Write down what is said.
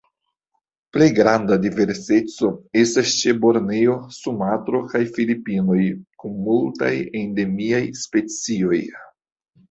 Plej granda diverseco estas ĉe Borneo, Sumatro, kaj Filipinoj, kun multaj endemiaj specioj.